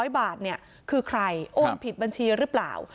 ๑๓๖๐๐บาทเนี่ยคือใครโอนผิดบัญชีหรือเปล่า